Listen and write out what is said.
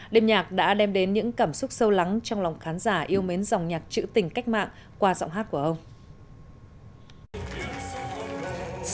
đêm nhạc đã đem đến những cảm xúc sâu lắng trong lòng khán giả yêu mến dòng nhạc trữ tình cách mạng qua giọng hát của ông